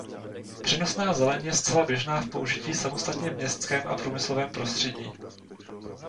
Přenosná zeleň je zcela běžná v použití samostatně v městském a průmyslovém prostředí.